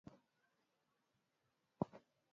jinsi uridhikaji kutokakana na dawa zakukata tamaa kwa